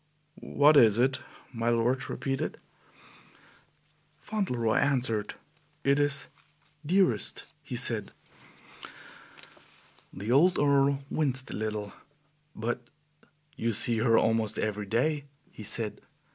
"What is it?" my lord repeated. Fauntleroy answered. "It is Dearest," he said. The old Earl winced a little. "But you see her almost every day," he said.